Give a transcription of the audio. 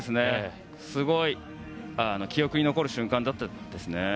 すごく記憶に残る瞬間でしたね。